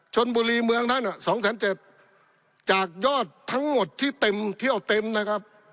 ชนบุรีเมืองท่าน๒๗๐๐จากยอดทั้งหมดที่เต็มเที่ยวเต็มนะครับ